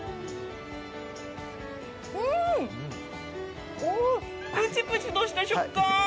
うーん！プチプチとした食感。